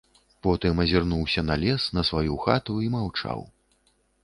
Потым азірнуўся на лес, на сваю хату і маўчаў.